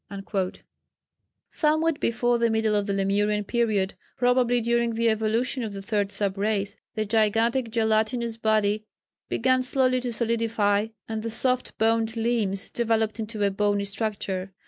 " Somewhat before the middle of the Lemurian period, probably during the evolution of the third sub race, the gigantic gelatinous body began slowly to solidify and the soft boned limbs developed into a bony structure.